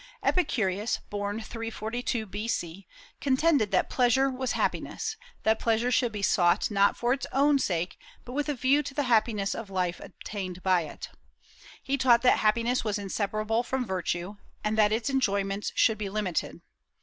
Epicurus, born 342 B.C., contended that pleasure was happiness; that pleasure should be sought not for its own sake, but with a view to the happiness of life obtained by it. He taught that happiness was inseparable from virtue, and that its enjoyments should be limited.